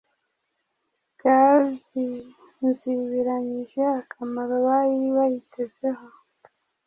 bwazinzibiranije akamaro bari bayitezeho